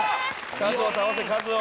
カズを倒せカズを。